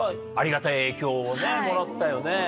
ありがたい影響をもらったよね。